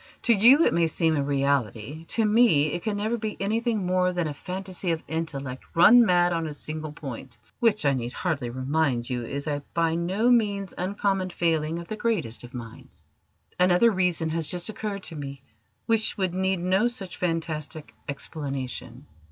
To you it may seem a reality: to me it can never be anything more than a phantasy of intellect run mad on a single point which, I need hardly remind you, is a by no means uncommon failing of the greatest of minds. Another reason has just occurred to me which would need no such fantastic explanation."